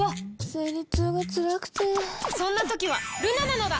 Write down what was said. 生理痛がつらくてそんな時はルナなのだ！